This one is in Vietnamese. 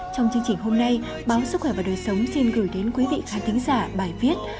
trong chương trình hôm nay báo sức khỏe và đời sống xin gửi đến quý vị khán tính giả bài viết